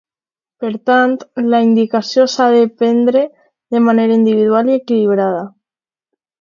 Per tant, la indicació s'ha de prendre de manera individual i equilibrada.